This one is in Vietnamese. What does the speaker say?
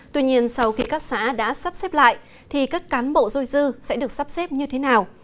tuy nhiên sau khi các xã đã sắp xếp lại thì các cán bộ dôi dư sẽ được sắp xếp như thế nào